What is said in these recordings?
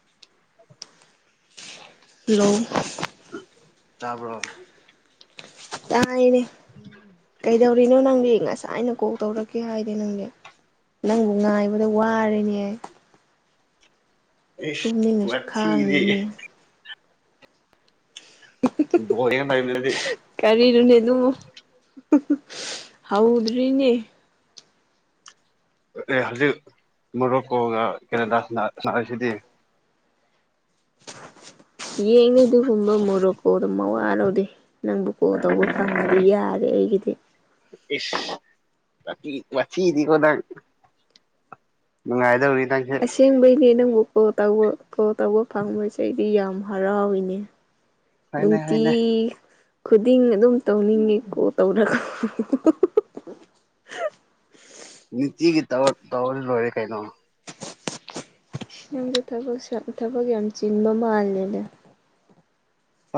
[inaudible] Hello ꯇꯥꯕ꯭ꯔꯣ? ꯇꯥꯏꯅꯦ ꯀꯩꯗꯧꯔꯤꯅꯣ ꯅꯪꯗꯤ ꯉꯁꯥꯏ ꯑꯅ ꯀꯣꯛ ꯇꯧꯔꯛꯀꯦ ꯍꯥꯏꯗꯤ ꯅꯪꯗꯤ ꯅꯪꯕꯨ ꯉꯥꯏꯕꯗ ꯋꯥꯔꯅꯦ ꯏꯁ ꯇꯨꯝꯅꯤꯡꯅꯁꯨ ꯈꯥꯡꯉꯤꯅꯦ ꯋꯥꯊꯤꯗꯤ [unintelligible] ꯀꯔꯤꯅꯣꯅꯦ ꯑꯗꯨ ꯍꯧꯗ꯭ꯔꯤꯅꯦ ꯑꯦ ꯍꯧꯖꯤꯛ ꯃꯣꯔꯣꯛꯀꯣꯒ ꯀꯦꯅꯗꯥꯁꯤꯗꯤ ꯌꯦꯡꯉ ꯑꯗꯨꯒꯨꯝꯕ ꯃꯣꯔꯣꯛꯀꯣ ꯑꯗꯨꯝ ꯃꯋꯥꯔ ꯂꯧꯗꯦ ꯅꯪꯕꯨ ꯀꯣꯜ ꯇꯧꯕ ꯐꯪꯉꯗꯤ ꯌꯥꯔꯦ ꯑꯩꯒꯤꯗꯤ ꯏꯁ ꯋꯥꯊꯤꯗꯤ ꯀꯣ ꯅꯪ ꯅꯨꯡꯉꯥꯏꯗꯧꯔꯤ ꯅꯪ ꯑꯁꯦꯡꯕꯩꯅꯦ ꯅꯪꯕꯨ ꯀꯣꯜ ꯇꯧꯕ ꯀꯣꯜ ꯇꯧꯕ ꯐꯪꯕꯁꯦ ꯑꯩꯗꯤ ꯌꯥꯝ ꯍꯔꯥꯎꯏꯅꯦ ꯍꯣꯏꯅꯦ ꯅꯨꯡꯇꯤ ꯍꯣꯏꯅꯦ ꯈꯨꯗꯤꯡ ꯑꯗꯨꯝ ꯇꯧꯅꯤꯡꯉꯦꯀꯣ ꯇꯧꯔ ꯅꯤꯇꯤꯒꯤ ꯇꯧꯔ ꯂꯣꯏꯔꯦ ꯀꯩꯅꯣ ꯅꯪꯗ ꯊꯕꯛ ꯊꯕꯛ ꯌꯥꯝ ꯆꯤꯟꯕ ꯃꯥꯜꯂꯦꯅꯦ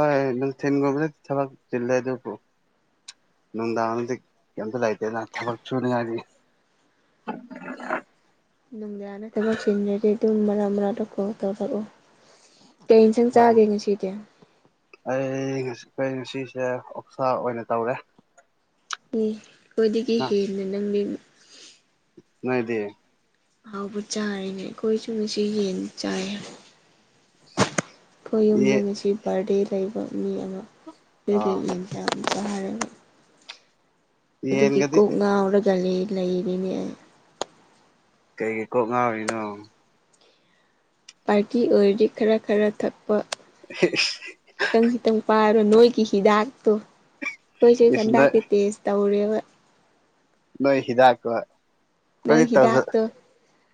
ꯍꯣꯏ ꯅꯨꯡꯊꯤꯟꯒꯨꯝꯗ ꯊꯕꯛ ꯆꯤꯜꯂꯦꯗꯨꯕꯨ ꯅꯨꯡꯗꯥꯡꯗꯤ ꯀꯩꯝꯇ ꯂꯩꯇꯦꯅ ꯊꯕꯛ ꯁꯨꯅꯤꯉꯥꯏꯒꯤ ꯅꯨꯃꯤꯗꯥꯡꯗ ꯊꯕꯛ ꯆꯤꯟꯗꯔ꯭ ꯗꯤ ꯑꯗꯨꯝ ꯃꯔꯛ ꯃꯔꯛꯇ ꯀꯣꯜ ꯇꯧꯔꯛꯑꯣ ꯀꯩ ꯏꯟꯁꯥꯡ ꯍꯣꯏ ꯆꯥꯒꯦ ꯉꯁꯤꯗꯤ ꯑꯩ ꯑꯩꯈꯣꯏ ꯉꯁꯤꯁꯦ ꯑꯣꯛꯁꯥ ꯑꯣꯏꯅ ꯇꯧꯔꯦ ꯈ꯭ꯋꯣꯏꯗꯒꯤ ꯍꯦꯟꯅ ꯅꯪꯗꯤ ꯅꯪꯗꯤ ꯍꯥꯎꯕ ꯆꯥꯔꯤꯅꯦ ꯑꯩꯈꯣꯏꯁꯨ ꯉꯁꯤ ꯌꯦꯟ ꯆꯥꯏ ꯑꯩꯈꯣꯏ ꯌꯦ ꯌꯨꯝꯗ ꯉꯁꯤ ꯕꯥꯔꯗꯦ ꯂꯩꯕ ꯃꯤ ꯑꯃꯗꯨꯒꯤ ꯑꯥ ꯌꯦꯟ [inaudible] ꯑꯗꯨꯒꯤ ꯌꯦꯟꯒꯗꯤ ꯀꯣꯛ ꯉꯥꯎꯔꯒ ꯂꯩꯔꯤꯅꯦ ꯀꯩꯒꯤ ꯀꯣꯛ ꯉꯥꯎꯔꯤꯅꯣ ꯄꯥꯔꯇꯤ ꯑꯣꯏꯔꯤ ꯈꯔ ꯈꯔ ꯊꯛꯄ [unintelligible] ꯈꯤꯇꯪ ꯈꯤꯇꯪ ꯄꯥꯕ ꯅꯣꯏꯒꯤ ꯍꯤꯗꯥꯛꯇꯣ ꯈꯣꯏ ꯆꯩ ꯏꯁ ꯅꯣꯏ [unintelligible] ꯇꯧꯔꯦꯕ ꯅꯣꯏ ꯍꯤꯗꯥꯛ ꯀ ꯅꯣꯏ ꯍꯤꯗꯥꯛꯇꯣ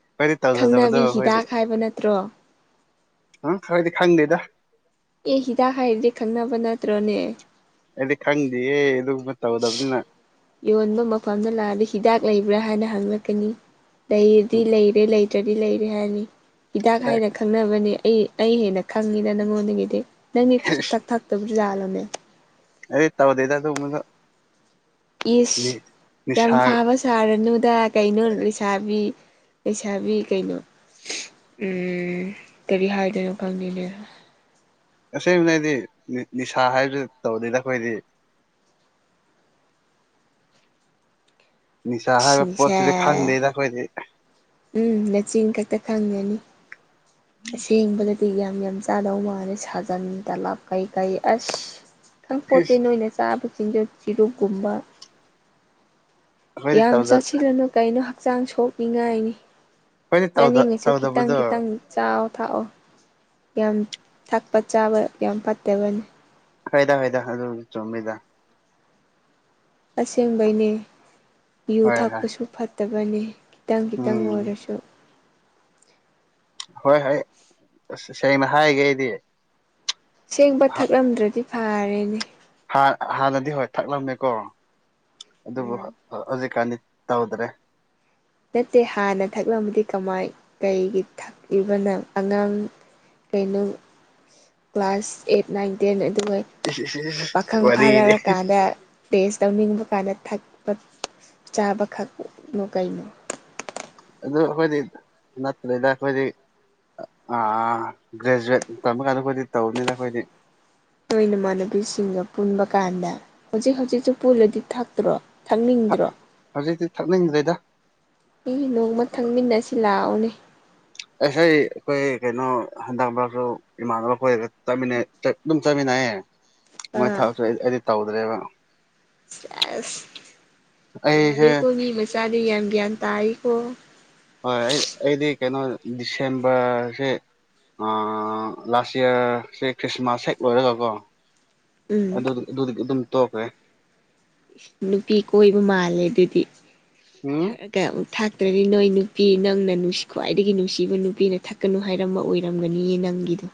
ꯑꯩꯈꯣꯏꯗꯤ ꯇꯧꯖꯗꯕꯗꯣ ꯈꯪꯅꯕꯤ ꯑꯩꯈꯣꯏꯗꯤ ꯍꯤꯗꯥꯛ ꯍꯥꯏꯕ ꯅꯠꯇ꯭ꯔꯣ ꯑꯪ ꯈꯪꯗꯤ ꯈꯪꯗꯦꯗ ꯑꯦ ꯍꯤꯗꯥꯛ ꯍꯥꯏꯔꯗꯤ ꯈꯪꯅꯕ ꯅꯠꯇ꯭ꯔꯣꯅꯦ ꯑꯗꯤ ꯈꯪꯗꯤꯌꯦ ꯗꯨꯃ ꯏꯁ ꯇꯧꯗꯕꯅꯤꯅ ꯌꯣꯟꯕ ꯃꯐꯝꯗ ꯂꯥꯛꯑꯗꯤ ꯍꯤꯗꯥꯛ ꯂꯩꯕ꯭ꯔꯥ ꯍꯥꯏꯅ ꯍꯪꯂꯛꯀꯅꯤ ꯂꯩꯗꯤ ꯂꯩꯔꯦ ꯂꯩꯔꯦ ꯍꯥꯏꯅꯤ ꯍꯤꯗꯥꯛ ꯍꯥꯏꯅ ꯈꯪꯅꯕꯅꯦ ꯑꯩ ꯑꯩ ꯍꯦꯟꯅ ꯈꯪꯉꯤꯗ ꯅꯪꯉꯣꯟ ꯑꯗꯒꯤꯗꯤ ꯅꯪꯒꯤ ꯁꯨ ꯊꯛ ꯊꯥꯛꯇꯕ ꯂꯥꯜꯂꯝꯃꯦ ꯑꯩ ꯇꯧꯗꯦꯗ ꯑꯗꯨꯒꯨꯝꯕꯗꯨ ꯏꯁ ꯌꯥꯝ ꯅꯤꯁꯥ ꯐꯥꯕ ꯁꯥꯔꯅꯨꯗ ꯀꯩꯅꯣ ꯂꯩꯁꯥꯕꯤ ꯂꯩꯩꯁꯥꯕꯤ ꯀꯩꯅꯣ ꯀꯔꯤ ꯍꯥꯏꯗꯣꯏꯅꯣ ꯈꯪꯗꯦꯅꯦ ꯑꯁꯦꯡꯕꯅꯗꯤ ꯅꯤꯁꯥ ꯍꯥꯏꯕꯁꯤ ꯇꯧꯗꯦꯗ ꯑꯩꯈꯣꯏꯗꯤ ꯅꯤꯁꯥ ꯏꯁ ꯍꯥꯏꯕ ꯅꯤꯁꯥ ꯄꯣꯠꯁꯤꯗꯤ ꯈꯪꯗꯦꯗ ꯑꯩꯈꯣꯏꯗꯤ ꯎꯝ ꯅꯆꯤꯟ ꯈꯛꯇ ꯈꯪꯒꯅꯤ ꯑꯁꯦꯡꯕꯗꯗꯤ ꯌꯥꯝ ꯌꯥꯝ ꯆꯥꯗꯧ ꯃꯥꯟꯂꯦ ꯁꯥꯖꯟ ꯇꯂꯥꯞ ꯀꯩ ꯀꯩ ꯑꯁ ꯈꯤꯇꯪ ꯄꯣꯇꯦꯟ ꯑꯩꯈꯣꯏꯗꯤ ꯑꯣꯏꯅ ꯆꯥꯕ ꯆꯤꯟꯖ ꯆꯤꯔꯨꯛꯀꯨꯝꯕ ꯌꯥꯝ ꯇꯧꯗ ꯆꯥꯁꯤꯜꯂꯅꯨ ꯀꯩꯅꯣ ꯍꯛꯆꯥꯡ ꯁꯣꯛꯅꯤꯡꯉꯥꯏꯅꯤ ꯑꯩꯈꯣꯏꯗꯤ ꯇꯧꯗ ꯆꯅꯤꯡꯉꯁꯨ ꯈꯤꯇꯪ ꯇꯧꯗꯕꯗꯣ ꯈꯤꯇꯪ ꯆꯥꯎ ꯊꯥꯛꯑꯣ ꯌꯥꯝ ꯊꯛꯄ ꯆꯥꯕ ꯌꯥꯝ ꯐꯠꯇꯕꯅꯤ ꯍꯣꯏꯗ ꯍꯣꯏꯗ ꯑꯗꯨ ꯆꯨꯝꯃꯤꯗ ꯑꯁꯦꯡꯕꯩꯅꯦ ꯌꯨ ꯍꯣꯏ ꯍꯣꯏ ꯊꯥꯛꯄꯁꯨ ꯐꯠꯇꯕꯅꯤ ꯈꯤꯇꯪ ꯈꯤꯇꯪ ꯎꯝ ꯑꯣꯏꯔꯁꯨ ꯍꯣꯏ ꯍꯣꯏ ꯑꯁ ꯁꯦꯡꯅ ꯍꯥꯏꯒꯦ ꯑꯩꯗꯤ ꯁꯦꯡꯕ ꯊꯛꯂꯝꯗ꯭ꯔꯗꯤ ꯐꯥꯔꯦꯅꯦ ꯍꯥꯟꯅꯗꯤ ꯍꯣꯏ ꯊꯛꯂꯝꯃꯦꯀꯣ ꯑꯗꯨꯕꯨ ꯎꯝ ꯍꯧꯖꯤꯛꯀꯥꯟꯗꯤ ꯇꯧꯗ꯭ꯔꯦ ꯅꯠꯇꯦ ꯍꯥꯟꯅ ꯊꯥꯛꯂꯝꯃꯗꯤ ꯀꯃꯥꯏ ꯀꯩꯒꯤ ꯊꯥꯛꯏꯕ ꯅꯪ ꯑꯉꯥꯡ ꯀꯩ ꯅꯪ ꯀ꯭ꯂꯥꯁ ꯑꯦꯠ ꯅꯥꯏꯟ ꯇꯦꯟ ꯑꯗꯨꯒ ꯏꯁ ꯏꯁ ꯏꯁ ꯄꯥꯈꯪ ꯐꯥꯔꯛ ꯋꯥꯔꯤꯗꯤ ꯑꯀꯥꯟꯗ ꯇꯦꯁ ꯇꯧꯅꯤꯡꯕ ꯀꯥꯟꯗ ꯊꯛꯄ ꯆꯥꯕꯈꯛꯅꫭ ꯀꯩꯅꯣ ꯑꯗꯨ ꯑꯩꯈꯣꯏꯗꯤ ꯅꯠꯇ꯭ꯔꯦꯗ ꯑꯩꯈꯣꯏꯗꯤ ꯑꯥ ꯒ꯭ꯔꯦꯖꯨꯋꯦꯠ ꯇꯝꯃꯀꯥꯟꯗ ꯑꯩꯈꯣꯏꯗꯤ ꯇꯧꯕꯅꯤꯅ ꯑꯩꯈꯣꯏꯗꯤ ꯅꯣꯏ ꯏꯃꯥꯟꯅꯕꯤꯁꯤꯡꯒ ꯄꯨꯟꯕ ꯀꯥꯟꯗ ꯍꯧꯖꯤꯛ ꯍꯧꯖꯤꯛꯁꯨ ꯄꯨꯜꯂꯗꯤ ꯊꯥꯛꯇ꯭ꯔꯣ ꯊꯥꯛ ꯅꯤꯡꯗ꯭ꯔꯣ ꯍꯧꯖꯤꯛꯇꯤ ꯊꯛꯅꯤꯡꯗ꯭ꯔꯦꯗ ꯏ ꯅꯣꯡꯃ ꯊꯪꯃꯤꯟꯅꯁꯤ ꯂꯥꯛꯑꯣꯅꯦ ꯑꯩ ꯍꯩ ꯑꯩꯈꯣꯏ ꯀꯩꯅꯣ ꯍꯟꯗꯛ ꯃꯔꯛꯁꯨ ꯏꯃꯥꯟꯅꯕ ꯑꯩꯈꯣꯏꯔꯒ ꯆꯠꯃꯤꯟꯅꯩ ꯑꯗꯨꯝ ꯆꯠꯃꯤꯟꯅꯩꯌꯦ ꯃꯣꯏ ꯑꯥ ꯊꯕꯛꯁꯨ ꯑꯩꯗꯤ ꯇꯧꯗ꯭ꯔꯦꯕ ꯁꯦꯁ ꯑꯩꯁꯦ ꯌꯥꯔꯦꯀꯣ ꯃꯤ ꯃꯆꯥꯗꯤ ꯌꯥꯝ ꯒꯤꯌꯥꯟ ꯇꯥꯏꯀꯣ ꯍꯣꯏ ꯑꯩ ꯑꯩꯗꯤ ꯀꯩꯅꯣ ꯗꯤꯁꯦꯝꯕ꯭ꯔꯁꯦ ꯂꯥꯁ ꯏꯌꯥꯔꯁꯦ ꯈ꯭ꯔꯤꯁꯃꯥꯁ ꯍꯦꯛ ꯂꯣꯏꯔꯒꯀꯣ ꯎꯝ ꯑꯗꯨꯗꯤ [unintelligible] ꯑꯗꯨꯝ ꯇꯣꯛꯈ꯭ꯔꯦ ꯏꯁ ꯅꯨꯄꯤ ꯀꯣꯏꯕ ꯃꯥꯜꯂꯦ ꯑꯗꯨꯗꯤ ꯎꯝ [unintelligible] ꯊꯥꯛꯇ꯭ꯔꯗꯤ ꯅꯣꯏ ꯅꯨꯄꯤ ꯅꯪꯅ ꯅꯨꯡꯁꯤ ꯈ꯭ꯋꯥꯏꯗꯒꯤ ꯅꯨꯡꯁꯤꯕ ꯅꯨꯄꯤꯅ ꯊꯥꯛꯀꯅꯨ ꯍꯥꯏꯔꯝꯕ ꯑꯣꯏꯔꯝꯒꯅꯤꯌꯦ ꯅꯪꯒꯤꯗꯣ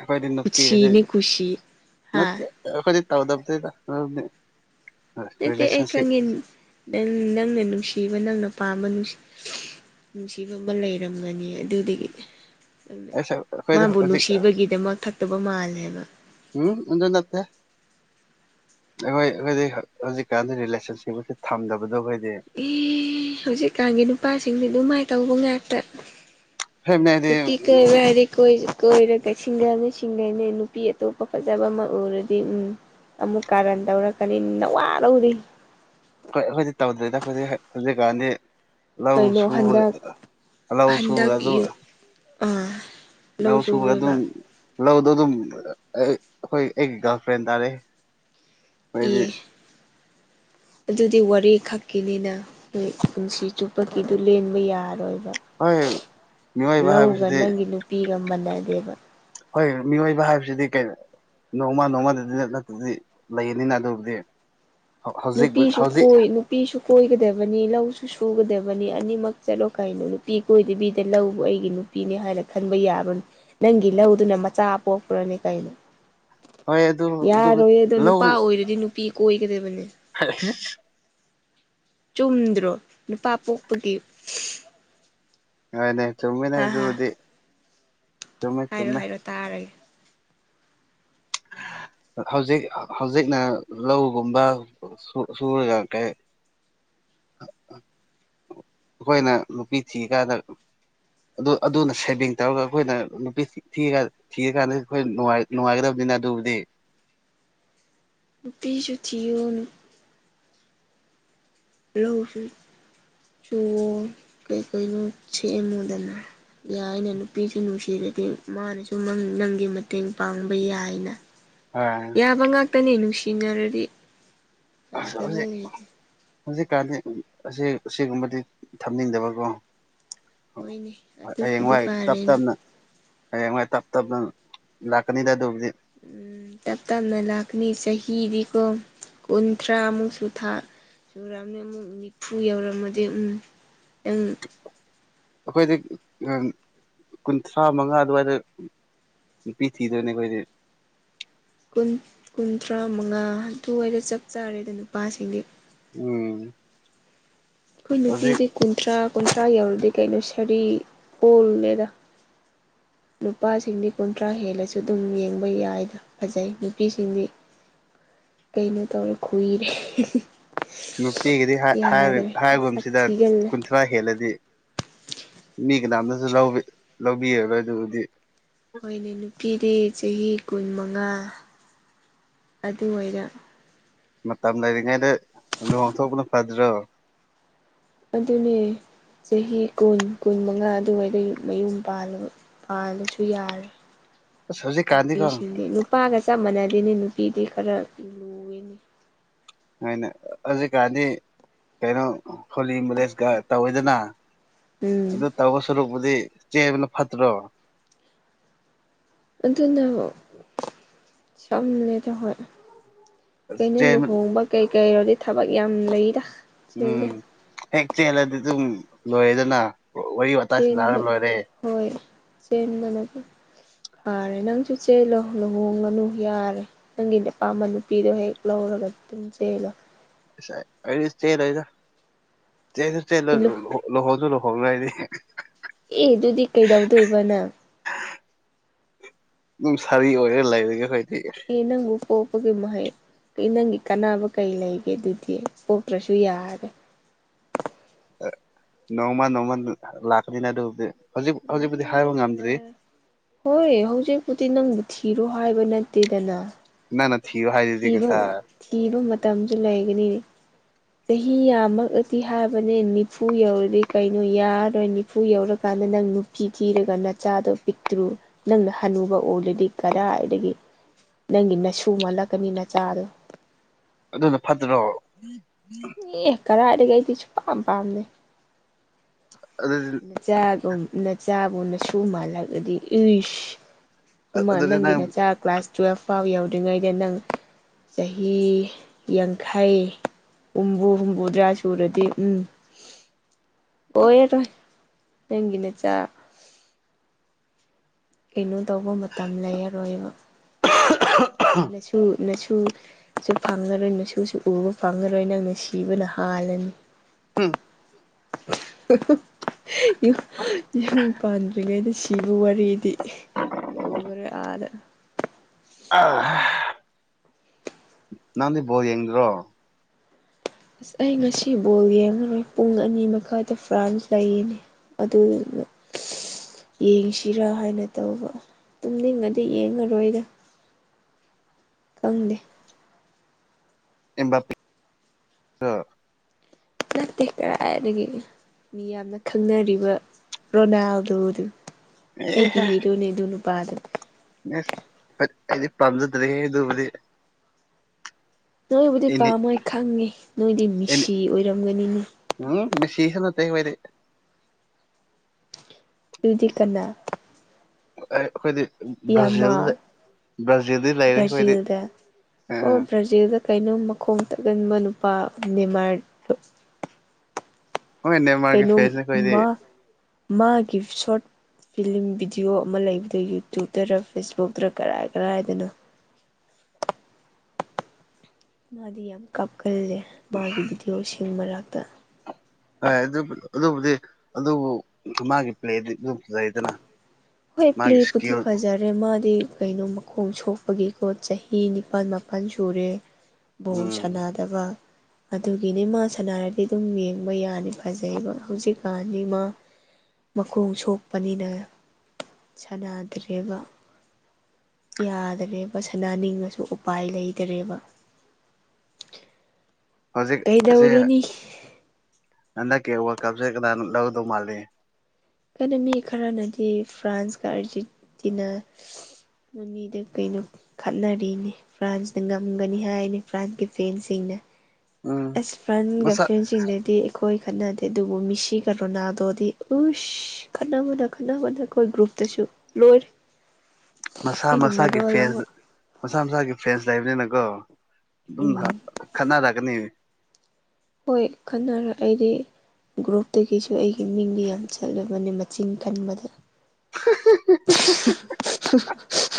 ꯑꯩꯈꯣꯏꯗꯤ ꯅꯨꯄꯤꯒꯁꯦ ꯀꯨꯁꯤꯅꯦ ꯀꯨꯁꯤ ꯍꯥ ꯅꯠꯇꯦ ꯑꯩꯈꯣꯏꯗꯤ ꯇꯥꯎꯕꯗꯦꯗ ꯃꯔꯝꯗꯤ ꯅꯠꯇꯦ ꯑꯩ ꯈꯪ [unintelligible] ꯅꯪ ꯅꯪꯅ ꯅꯨꯡꯁꯤꯕ ꯅꯪꯅ ꯄꯥꯝꯕ ꯅꯨꯡꯁꯤꯕ ꯑꯃ ꯂꯩꯔꯝꯒꯅꯤ ꯑꯗꯨꯗꯒꯤ ꯑꯩꯁ ꯑꯩꯈꯣꯏꯗꯤ ꯃꯥꯕꯨ ꯍꯧꯖꯤꯛ ꯅꯨꯡꯁꯤꯕꯒꯤꯗꯃꯛ ꯊꯥꯛꯇꯕ ꯃꯥꯜꯂꯦꯕ ꯎꯝ ꯑꯗꯨ ꯅꯠꯇꯦ ꯑꯩꯈꯣꯏ ꯑꯩꯈꯣꯏꯗꯤ ꯍꯧꯖꯤꯛꯀꯥꯟꯗꯤ ꯔꯤꯂꯦꯁꯟꯁꯤꯞꯁ ꯊꯝꯗꯕꯗꯣ ꯑꯩꯈꯣꯏꯗꯤ ꯏ ꯍꯧꯖꯤꯛꯀꯥꯟꯒꯤ ꯅꯨꯄꯥꯁꯤꯡꯗꯤ ꯑꯗꯨꯃꯥꯏꯅ ꯇꯧꯕ ꯉꯥꯛꯇ ꯐꯦꯃꯤꯂꯤꯗꯤ ꯅꯨꯄꯤ ꯀꯣꯏꯕ ꯍꯣꯏ ꯌꯥꯔꯗꯤ ꯀꯣꯏꯁꯦ ꯀꯣꯏꯔꯒꯩ ꯁꯤꯡꯒꯅꯤ ꯁꯤꯡꯒꯅꯤ ꯅꯨꯄꯤ ꯑꯇꯣꯞꯄ ꯐꯖꯕ ꯑꯃ ꯎꯔꯗꯤ ꯎꯝ ꯑꯃꯨꯛ ꯀꯥꯔꯟ ꯇꯧꯔꯛꯀꯅꯤ ꯅꯋꯥ ꯂꯧꯗꯦ ꯍꫭꯠ ꯑꯩꯈꯣꯏꯗꯤ ꯇꯧꯗꯦꯗ ꯑꯩꯈꫭꯏꯗꯤ ꯍꯧꯖꯤꯛ ꯀꯥꯟꯗꯤ ꯂꯧ ꯀꯩꯅꯣ ꯍꯟꯗꯛ ꯁꯨꯕꯒ ꯂꯧ ꯁꯨꯕꯒ ꯍꯟꯗꯛ ꯑꯗꯨ ꯌꯨ ꯑꯥ ꯂꯧ ꯁꯨꯕ ꯑꯗꯨꯝ ꯂꯧꯗꯣ ꯑꯗꯨꯝ ꯑꯩ ꯑꯩꯈꯣꯏ ꯑꯩꯒꯤ ꯒꯥꯔꯜ ꯐ꯭ꯔꯦꯟ ꯇꯥꯔꯦ ꯑꯩꯏꯗꯤ ꯑꯦ ꯑꯗꯨꯗꯤ ꯋꯥꯔꯤ ꯈꯛꯀꯤꯅꯤꯅ ꯅꫭꯏ ꯄꯨꯟꯁꯤ ꯆꯨꯞꯄꯒꯤꯗꯨ ꯂꯦꯟꯕ ꯌꯥꯔꯣꯏꯕ ꯍꯣꯏ ꯃꯤꯑꯣꯏꯕ ꯂꯧꯒ ꯍꯥꯏꯕꯁꯤꯗꯤ ꯅꯪꯒꯤ ꯅꯨꯄꯤꯒ ꯃꯥꯟꯅꯗꯦꯕ ꯍꯣꯏ ꯃꯤꯑꯣꯏꯕ ꯍꯥꯏꯕꯁꯤꯗꯤ ꯀꯩꯅꯣ ꯅꯣꯡꯃ ꯅꯣꯡꯃꯗꯗꯤ ꯅꯠꯇꯗꯤ ꯂꯩꯏꯅꯤꯅ ꯑꯗꯨꯕꯨꯗꯤ ꯍꯧꯖꯤꯛ ꯅꯨꯄꯤꯁꯨ ꯍꯧꯖꯤꯛ ꯀꯣꯏ ꯅꯨ ꯅꯨꯄꯤꯁꯨ ꯀꯣꯏꯒꯗꯕꯅꯤ ꯂꯧꯁꯨ ꯁꯨꯒꯗꯕꯅꯤ ꯑꯅꯤꯃꯛ ꯆꯠꯂꯣ ꯀꯅꯣ ꯅꯨꯄꯤ ꯀꯣꯏꯗꯕꯤꯗ ꯂꯧꯕ ꯑꯩꯒꯤ ꯅꯨ ꯄꯤꯅꯦ ꯍꯥꯏꯅ ꯈꯟꯕ ꯌꯥꯕꯔꫭ ꯅꯪꯒꯤ ꯂꯧꯗꯨꯅ ꯃꯆꯥ ꯄꯣꯛꯄꯔꫭꯅꯦ ꯀꯩꯅꯣ ꯍꯣꯏ ꯑꯗꯨ ꯑꯗꯨ ꯌꯥꯔꯣꯏ ꯑꯗꯣ ꯅꯨꯄꯥ ꯑꯣꯏꯔꯗꯤ ꯅꯨꯄꯤ ꯀꯣꯏꯒꯗꯕꯅꯦ ꯍꯥꯏ ꯆꯨꯝꯗ꯭ꯔꯣ ꯅꯨꯄꯥ ꯄꯣꯛꯄꯒꯤ ꯍꯣꯏꯅꯦ ꯆꯨꯝꯃꯤꯅꯦ ꯍꯥ ꯍꯥ ꯑꯗꯨꯕꯨꯗꯤ ꯆꯨꯝꯃꯦ ꯍꯥꯏꯔꯣ ꯆꯨꯝꯃꯦ ꯍꯥꯏꯔꯣ ꯇꯥꯔꯒꯦ ꯍꯧꯖꯤꯛ ꯍꯧꯖꯤꯛꯅ ꯂꯧꯒꯨꯝꯕ ꯁꯨꯔꯒ ꯀꯩ ꯑꯩꯈꯣꯏꯅ ꯅꯨꯄꯤ ꯊꯤ ꯀꯥꯟꯗ ꯑꯗꯨ ꯑꯗꯨꯅ ꯁꯦꯚꯤꯡ ꯇꯧꯔꯒ ꯑꯩꯈꯣꯏꯅ ꯅꯨꯄꯤ ꯊꯤꯔꯒ ꯊꯤꯔ ꯀꯥꯟꯗꯗꯤ ꯑꯩꯈꯣꯏ ꯅꯨꯡꯉꯥꯏꯒꯗꯕꯅꯤꯅ ꯑꯗꯨꯕꯨꯗꯤ ꯅꯨꯄꯤꯁꯨ ꯊꯤꯔꯨꯔꯅꯨ ꯂꯧꯎ ꯆ ꯆꯨꯑꯣ ꯀꯩ ꯀꯩꯅꯣ ꯁꯦꯃꯨꯗꯅ ꯌꯥꯏꯅꯦ ꯅꯨꯄꯤꯁꯨ ꯅꯨꯡꯁꯤꯔꯗꯤ ꯃꯥꯅꯁꯨ ꯅꯪꯒꯤ ꯃꯇꯦꯡ ꯄꯥꯡꯕ ꯌꯥꯏꯅ ꯍꯣꯢ ꯌꯥꯕ ꯉꯥꯛꯇꯅꯦ ꯅꯨꯡꯁꯤꯅꯔꯗꯤ ꯑꯁ ꯌꯥꯗꯕ ꯍꯧꯖꯤꯛ ꯂꯩꯇꯦ ꯍꯧꯖꯤꯛꯀꯥꯟꯗꯤ ꯑꯁꯦꯡ ꯑꯁꯦꯡꯕꯗꯤ ꯊꯝꯅꯤꯡꯗꯕꯀꯣ ꯍꯣꯏꯅꯦ ꯍꯣꯏ ꯑꯗꯨꯕꯨꯗꯤ ꯍꯌꯦꯡꯋꯥꯏ ꯇꯞ ꯐꯔꯦꯅꯦ ꯇꯞꯅ ꯍꯌꯦꯡ ꯋꯥꯏ ꯇꯞ ꯇꯞꯅ ꯂꯥꯛꯀꯅꯤꯗ ꯑꯗꯨꯕꯨꯗꯤ ꯇꯞ ꯇꯞꯅ ꯂꯥꯛꯀꯅꯤ ꯆꯍꯤꯗꯤꯀꯣ ꯀꯨꯟꯊ꯭ꯔꯥꯃꯨꯛꯁꯨ ꯊꯥ ꯁꯨꯔꯝꯅꯤ ꯅꯪ ꯅꯤꯐꯨ ꯌꯧꯔꯝꯃꯗꯤ ꯎꯝ ꯅꯪ ꯑꯩꯈꯣꯏꯗꯤ ꯀꯨꯟꯊ꯭ꯔꯥ ꯃꯉꯥ ꯑꯗꯨꯋꯥꯏꯗ ꯅꯨꯄꯤꯊꯤꯗꯣꯢꯅꯦ ꯑꯈꯣꯢꯗꯤ ꯀꯨꯟ ꯀꯨꯟꯊ꯭ꯔꯥ ꯃꯉꯥ ꯑꯗꯨꯋꯥꯏꯗ ꯆꯞ ꯆꯥꯔꯦꯗ ꯅꯨꯄꯥꯁꯤꯡꯗꯤ ꯎꯝ ꯑꯩꯈꯣꯏ ꯅꯨꯄꯤꯗꯤ ꯍꯧꯖꯤꯛ ꯀꯨꯟꯊ꯭ꯔꯥ ꯀꯨꯟꯊ꯭ꯔꯥ ꯌꯧꯔꯗꯤ ꯀꯩꯅꯣ ꯁꯥꯔꯤ ꯑꯣꯜꯂꯦꯗ ꯅꯨꯄꯥꯁꯤꯡꯗꯤ ꯀꯨꯟꯊ꯭ꯔꯥ ꯍꯦꯜꯂꯁꯨ ꯑꯗꯨꯝ ꯌꯦꯡꯕ ꯌꯥꯏꯅ ꯐꯖꯩ ꯅꯨꯄꯤꯁꯤꯡꯗꯤ ꯀꯩꯅꯣ ꯇꯧꯔꯦ ꯈꯨꯏꯔꯦ ꯅꯨꯄꯤꯒꯤꯗꯤ ꯍꯥꯢ ꯍꯥꯢ ꯌꯥꯗ꯭ꯔꯦ ꯃꯁꯛ ꯍꯥꯏꯒꯨꯝꯕꯁꯤꯗ ꯊꯤꯒꯜꯂꯦ ꯀꯨꯟꯊ꯭ꯔꯥ ꯍꯦꯜꯂꯗꯤ ꯃꯤ ꯀꯅꯥꯝꯇꯁꯨ ꯂꯧꯔꯣꯏ ꯂꯧꯕꯤꯔꯔꯣꯏ ꯑꯗꯨꯕꯨꯗꯤ ꯍꯣꯏꯅꯦ ꯅꯨꯄꯤꯗꯤ ꯆꯍꯤ ꯀꯨꯟ ꯃꯉꯥ ꯑꯗꯨ ꯑꯣꯏꯔ ꯃꯇꯝ ꯂꯩꯔꯤꯉꯩꯗ ꯂꯨꯍꯣꯡ ꯊꯣꯛꯄꯅ ꯐꯗ꯭ꯔꯣ ꯑꯗꯨꯅꯦ ꯆꯍꯤ ꯀꯨꯟ ꯀꯨꯟ ꯃꯉꯥ ꯑꯗꯨꯋꯥꯏꯗꯒꯤ ꯃꯌꯨꯝ ꯄꯥꯜꯂꯕ ꯄꯥꯂꯁꯨ ꯌꯥꯔꯤ ꯑꯁ ꯍꯧꯖꯤꯛꯀꯥꯟꯗꯤꯀꯣ ꯅꯨꯄꯤꯁꯤꯡꯗꯤ ꯑꯗꯨꯝ ꯅꯨꯄꯥꯒ ꯆꯞ ꯃꯥꯟꯅꯗꯦꯅꯤ ꯅꯨꯄꯤꯗꯤ ꯈꯔ ꯂꯨꯋꯦꯅꯦ ꯍꯥꯏꯅ ꯍꯧꯖꯤꯛꯀꯥꯟꯗꯤ ꯀꯩꯅꯣ ꯍꯣꯜꯂꯤ ꯃꯦꯔꯦꯖꯀ ꯇꯧꯋꯤꯗꯅ ꯎꯝ ꯑꯗꯨ ꯇꯧꯕ ꯁꯔꯨꯛꯄꯨꯗꯤ ꯆꯦꯟꯕꯅ ꯐꯠꯇ꯭ꯔꯣ ꯑꯗꯨꯅꯕꯨ ꯁꯝꯂꯦꯗꯥ ꯍꯣꯏ ꯀꯩꯅꯣ ꯆꯦꯟꯕ ꯂꯨꯍꯣꯡꯕ ꯀꯩ ꯀꯩꯔꯣꯗꯤ ꯊꯕꯛ ꯌꯥꯝ ꯂꯩꯗ ꯎꯝ ꯆꯦꯜꯂꯦ ꯍꯦꯛ ꯆꯦꯜꯂꯗꯤ ꯑꯗꯨꯝ ꯂꯣꯏꯔꯦꯗꯅ ꯋꯥꯔꯤ ꯋꯥꯇꯥꯏ ꯆꯦꯟꯕ ꯁꯟꯅꯔꯒ ꯂꯣꯏꯔꯦ ꯍꯣꯏ ꯆꯦꯟꯕꯅ ꯄꯥꯔꯦ ꯅꯪꯁꯨ ꯆꯦꯜꯂꯣ ꯂꯨꯍꯣꯡꯂꯅꯨ ꯌꯥꯔꯦ ꯅꯪꯒꯤꯅꯦ ꯑꯄꯥꯝꯕ ꯅꯨꯄꯤꯗꯣ ꯍꯦꯛ ꯂꯧꯔꯒ ꯆꯦꯂꯣ ꯑꯁ ꯑꯩ ꯆꯦꯂꯣꯢꯗ ꯆꯦꯟꯁꯨ ꯆꯦꯂꯣꯢ ꯏꯜꯂꯨ ꯂꯨꯍꯣꯡ ꯂꯨꯍꯣꯡꯁꯨ ꯂꯨꯍꯤꯡꯂꯣꯢ ꯑꯩꯗꯤ ꯑꯦ ꯑꯗꯨꯗꯤ ꯀꯩꯗꯧꯗꯣꯏꯕ ꯅꯪ ꯗꯨꯝ ꯁꯥꯔꯤ ꯑꯣꯏꯔꯒ ꯂꯩꯔꯒꯦ ꯑꯩꯈꯣꯏꯗꯤ ꯑꯗꯨꯗꯤ ꯅꯪꯕꯨ ꯄꯣꯛꯄꯒꯤ ꯃꯍꯩ ꯅꯪꯒꯤ ꯀꯥꯟꯅꯕ ꯀꯩ ꯂꯩꯒꯦ ꯑꯗꯨꯗꯤ ꯄꯣꯛꯇ꯭ꯔꯁꯨ ꯌꯥꯔꯦ ꯅꯣꯡꯃ ꯅꯣꯡꯃ ꯂꯥꯛꯀꯅꯤꯅꯥ ꯑꯗꯨꯕꯨꯗꯤ ꯍꯧꯖꯤꯛ ꯍꯧꯖꯤꯛꯄꯨꯗꯤ ꯍꯥꯏꯕ ꯉꯝꯗ꯭ꯔꯤ ꯍꯣꯏ ꯍꯧꯖꯤꯛꯄꯨꯗꯤ ꯅꯪꯕꯨ ꯊꯤꯔꯣ ꯍꯥꯏꯕ ꯅꯠꯇꯦꯗꯅ ꯅꯪꯅ ꯊꯤꯌꯣ ꯍꯥꯏꯗꯨꯗꯤ ꯊꯤꯕ ꯉꯁꯥꯏ ꯊꯤꯕ ꯃꯇꯝꯁꯨ ꯂꯩꯒꯅꯤ ꯆꯍꯤ ꯌꯥꯝꯃꯂꯗꯤ ꯍꯥꯏꯕꯅꯦ ꯅꯤꯐꯨ ꯌꯧꯔꯗꯤ ꯀꯩꯅꯣ ꯌꯥꯔꯣꯏ ꯅꯤꯐꯨ ꯌꯧꯔꯀꯥꯟꯗ ꯅꯪ ꯅꯨꯄꯤ ꯊꯤꯔꯒ ꯅꯆꯥꯗꯣ ꯄꯤꯛꯇ꯭ꯔꯨ ꯅꯪꯅ ꯍꯅꯨꯕ ꯑꯣꯂꯗꯤ ꯀꯗꯥꯏꯗꯒꯤ ꯅꯪꯒꯤ ꯅꯁꯨ ꯃꯥꯜꯂꯛꯀꯅꯤ ꯅꯆꯥꯗꯣ ꯑꯗꯨꯅ ꯐꯠꯇ꯭ꯔꯣ ꯑꯦ ꯀꯔꯥꯏꯗꯒꯤ ꯑꯩꯗꯤ ꯁꯨꯛꯄꯥꯝ ꯄꯥꯝꯃꯦ [unintelligible] ꯆꯥꯒꯨꯝ ꯅꯆꯥꯕꯨꯅꯁꯨ ꯃꯥꯜꯂꯒꯗꯤ ꯏꯁ ꯑꯃ ꯑꯗꯨꯗꯤ ꯅꯪꯒꯤ ꯅꯪ ꯅꯆꯥ ꯀ꯭ꯂꯥꯁ ꯇꯨꯋꯦꯜꯐ ꯐꯥꯎ ꯌꯧꯗ꯭ꯔꯤꯉꯩꯗ ꯅꯪ ꯆꯍꯤ ꯌꯥꯡꯈꯩ ꯍꯨꯝꯕꯨ ꯍꯨꯝꯕꯨꯗ꯭ꯔ ꯆꯨꯨꯔꯗꯤ ꯎꯝ ꯑꯣꯔꯔꯣꯏ ꯅꯪꯒꯤ ꯅꯆꯥ ꯀꯩꯅꯣ ꯇꯧꯕ ꯃꯇꯝ ꯂꯩꯔꯔꯣꯏꯕ [unintelligible] ꯅꯁꯨ ꯅꯁꯨ ꯁꯨ ꯐꯪꯉꯔꯣꯏ ꯅꯁꯨꯨꯁꯨ ꯎꯕ ꯐꯪꯉꯔꯣꯏ ꯅꯪꯅ ꯁꯤꯕꯅ ꯍꯥꯜꯂꯅꯤ [unintelligible] [unintelligible] ꯌꯨ ꯌꯨꯝ ꯄꯥꯟꯗ꯭ꯔꯤꯉꯩꯗ ꯁꯤ ꯁꯤꯕꯨꯋꯥꯔꯤꯗꯤ ꯌꯧꯈ꯭ꯔꯦ ꯑꯥꯗ [unintelligible] ꯅꯪꯗꯤ ꯕꯣꯜ ꯌꯦꯡꯗ꯭ꯔꯣ ꯑꯩ ꯉꯁꯤ ꯕꯣꯜ ꯌꯦꯡꯉꯥꯔꯣꯏ ꯄꯨꯡ ꯑꯅꯤ ꯃꯈꯥꯏꯗ ꯐ꯭ꯔꯥꯟꯁ ꯂꯩꯌꯦ ꯑꯗꯨꯗꯨꯅ [unintelligible] ꯌꯦꯡꯁꯤꯔꯥ ꯍꯥꯏꯅ ꯇꯧꯕ ꯇꯨꯝꯅꯤꯡꯉꯗꯤ ꯌꯦꯡꯉꯔꯣꯏꯗ ꯈꯪꯗꯦ [unintelligible] ꯅꯠꯇꯦ ꯀꯔꯥꯏꯗꯒꯤ ꯃꯤ ꯌꯥꯝꯅ ꯈꯪꯅꯔꯤꯕ ꯔꯣꯅꯥꯜꯗꯣꯗꯨ ꯑꯩꯒꯤ ꯍꯤꯔꯣꯅꯦ ꯑꯗꯨ ꯅꯨꯄꯥꯗꯨ ꯑꯦ ꯑꯩꯗꯤ ꯄꯥꯝꯖꯗ꯭ꯔꯦꯦ꯫ꯍꯦ ꯑꯗꯨꯃꯥꯗꯤ ꯅꯣꯏꯕꯨꯗꯤ ꯄꯥꯝꯃꯣꯏ ꯈꯪꯉꯤ ꯅꯣꯏꯗꯤ ꯑꯦꯅꯤ ꯃꯤꯁꯤ ꯑꯣꯏꯔꯝꯒꯅꯤꯅꯦ ꯎꯝ ꯃꯦꯁꯤꯁꯨ ꯅꯠꯇꯦ ꯑꯩꯈꯣꯏꯗꯤ ꯑꯗꯨꯗꯤ ꯀꯅꯥ [unintelligible] ꯑꯩꯈꯣꯏꯗꯤ ꯕ꯭ꯔꯥꯖꯤꯜ ꯌꯥꯃꯥꯜ ꯕ꯭ꯔꯥꯖꯤꯜꯗꯤ ꯂꯩꯔꯦ ꯑꯩꯈꯣꯏꯗꯤ ꯕ꯭ꯔꯥꯖꯤꯜꯗ ꯑꯣ ꯎꯝ ꯕ꯭ꯔꯥꯖꯤꯜꯗ ꯀꯩꯅꯣꯝ ꯃꯈꯣꯡ ꯇꯛꯒꯟꯕ ꯅꯨꯄꯥ ꯃꯦꯃꯥꯔ ꯍꯣꯏ ꯅꯦꯃꯥꯔꯒꯤ ꯀꯩꯅꯣ ꯐꯦꯟꯁꯅꯦ ꯑꯩꯈꯣꯏꯗꯤ ꯃꯥ ꯃꯥꯒꯤ ꯁꯣꯠ ꯐꯤꯂꯝ ꯕꯤꯗꯤꯑꯣ ꯑꯃ ꯂꯩꯕꯗꯣ ꯌꯨꯇꯨꯕꯇꯔ ꯐꯦꯁꯕꯨꯛꯇꯔ ꯀꯔꯥꯏ ꯀꯔꯥꯏꯗꯅꯣ ꯃꯥꯗꯤ ꯌꯥꯝ ꯀꯥꯞꯀꯜꯂꯦ ꯃꯥꯒꯤ ꯚꯤꯗꯤꯑꯣꯁꯤꯡ ꯃꯔꯛꯇ ꯑꯦ ꯑꯗꯨ ꯑꯗꯨꯕꯨꯗꯤ ꯑꯗꯨꯕꯨ ꯃꯥꯒꯤ ꯄ꯭ꯂꯦꯗꯤ ꯑꯗꯨꯝ ꯐꯖꯩꯗꯅ ꯍꯣꯏ ꯃꯥꯒꯤ ꯄ꯭ꯂꯦꯕꯨꯗꯤ ꯏꯁꯀꯤꯜ ꯐꯖꯔꯦ ꯔꯦ ꯃꯥꯗꯤ ꯀꯩꯅꯣ ꯃꯈꯣꯡ ꯁꯣꯛꯄꯒꯤꯀꯣ ꯆꯍꯤ ꯅꯤꯄꯥꯜ ꯃꯥꯄꯜ ꯁꯨꯔꯦ ꯕꯣꯜ ꯎꯝ ꯁꯥꯟꯅꯗꯕ ꯑꯗꯨꯒꯤꯅꯤ ꯃꯥ ꯁꯥꯟꯅꯔꯗꯤ ꯑꯗꯨꯝ ꯌꯦꯡꯕ ꯌꯥꯅꯤ ꯐꯖꯩꯑꯦꯕ ꯍꯧꯖꯤꯛꯀꯥꯟꯗꯤ ꯃꯥ ꯃꯈꯣꯡ ꯁꯣꯛꯄꯅꯤꯅ ꯁꯥꯟꯅꯗ꯭ꯔꯦꯕ ꯌꯥꯗꯔꯦꯕ ꯁꯅꯥꯅꯤꯡꯉꯁꯨ ꯎꯄꯥꯏ ꯂꯩꯇꯔꯦꯕ ꯍꯧꯖꯤꯛ ꯑꯁꯤ ꯀꯩꯗꯧꯔꯨꯅꯤ ꯍꯟꯗꯛꯀꯤ ꯋꯥꯜ ꯀꯞꯁꯦ ꯀꯅꯥ ꯂꯧꯗꯧ ꯃꯥꯜꯂꯤ ꯃꯤ ꯈꯔꯅꯗꯤ ꯐ꯭ꯔꯥꯟꯁꯀ ꯑꯥꯔꯖꯦꯟꯇꯤꯅꯥ ꯃꯃꯤꯗ ꯀꯩꯅꯣ ꯈꯠꯅꯔꯤꯅꯤ ꯐ꯭ꯔꯥꯟꯁꯅ ꯉꯝꯒꯅꯤ ꯍꯥꯏꯅꯤ ꯐ꯭ꯔꯥꯟꯁꯀꯤ ꯐꯦꯟꯁꯤꯡꯅ ꯎꯝ ꯑꯁ ꯐ꯭ꯔꯟꯒ ꯃꯁꯥ ꯐ꯭ꯔꯦꯟꯁꯤꯡꯗꯗꯤ ꯈꯣꯏ ꯈꯠꯅꯗꯦ ꯑꯗꯨꯕꯨ ꯃꯤꯁꯤꯒ ꯔꯣꯅꯥꯟꯗꯣꯗꯤ ꯎꯁ ꯈꯠꯅꯕꯗ ꯈꯠꯅꯕꯗ ꯑꯈꯣꯏ ꯒ꯭ꯔꯨꯞꯇꯁꯨ ꯂꯣꯏꯔꯦ ꯃꯁꯥ ꯑꯩꯅ ꯃꯁꯥꯒꯤ ꯃꯔꯣꯜ ꯑꯃ ꯐꯦꯟꯁ ꯃꯁꯥ ꯃꯁꯥꯒꯤ ꯐ꯭ꯔꯦꯟꯁ ꯂꯩꯕꯅꯤꯅꯀꯣ ꯑꯗꯨꯝ ꯎꯝ ꯈꯠꯅꯔꯛꯀꯅꯤ ꯍꯣꯏ ꯈꯟꯅꯔꯣꯏ ꯑꯩꯗꯤ ꯒ꯭ꯔꯨꯞꯇꯒꯤꯁꯨ ꯑꯩꯒꯤ ꯃꯤꯡꯗꯤ ꯌꯥꯝ ꯆꯠꯂꯕꯅꯦ ꯃꯆꯤꯟ ꯀꯟꯕꯗ [unintelligible]